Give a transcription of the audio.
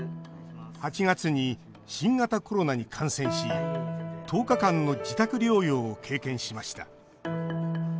８月に新型コロナに感染し１０日間の自宅療養を経験しました。